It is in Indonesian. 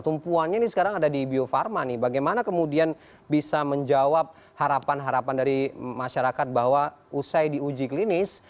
tumpuannya ini sekarang ada di bio farma nih bagaimana kemudian bisa menjawab harapan harapan dari masyarakat bahwa usai diuji klinis